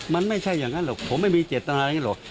มันไม่ใช่อย่างนั้นหรอกผมไม่มีเจตนาอย่างนี้หรอก